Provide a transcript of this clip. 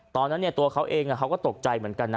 ตอนนั้นตัวเขาเองเขาก็ตกใจเหมือนกันนะ